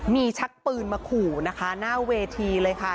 มีชักปืนมาขู่นะคะหน้าเวทีเลยค่ะ